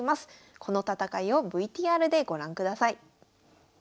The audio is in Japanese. この戦いをＶＴＲでご覧ください。